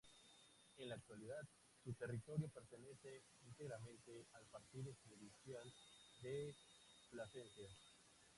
En la actualidad, su territorio pertenece íntegramente al partido judicial de Plasencia.